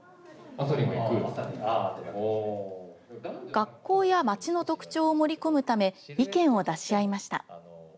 学校や町の特徴を盛り込むため意見を出し合いました。